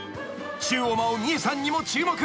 ［宙を舞うミエさんにも注目］